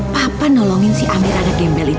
papa nolongin si amir anak gembel itu